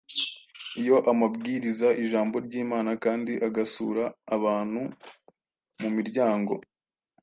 iyo abwiriza ijambo ry’imana kandi agasura abantu mu miryango,